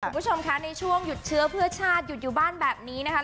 คุณผู้ชมคะในช่วงหยุดเชื้อเพื่อชาติหยุดอยู่บ้านแบบนี้นะคะ